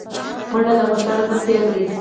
منډه د خوشال ژوند پيل دی